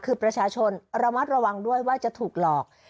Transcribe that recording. คือประชาชนระมัดระวังด้วยว่าจะถูกหลอก